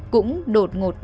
cũng đột ngột bệnh